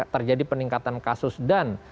terjadi peningkatan kasus dan